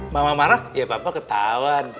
mama marah ya papa ketawa dong